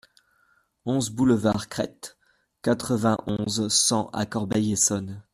onze boulevard Crete, quatre-vingt-onze, cent à Corbeil-Essonnes